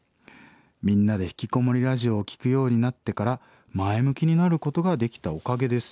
『みんなでひきこもりラジオ』を聴くようになってから前向きになることができたおかげです」。